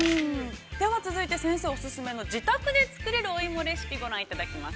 ◆では続いて先生オススメの、自宅でつくれるお芋レシピ、ご覧いただきます。